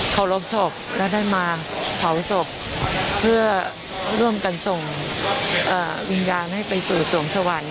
เคารพศพและได้มาเผาศพเพื่อร่วมกันส่งวิญญาณให้ไปสู่สวงสวรรค์